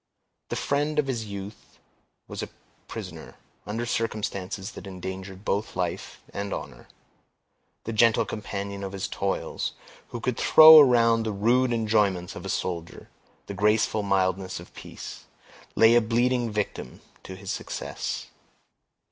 The friend of his youth was a prisoner, under circumstances that endangered both life and honor. The gentle companion of his toils, who could throw around the rude enjoyments of a soldier the graceful mildness of peace, lay a bleeding victim to his success.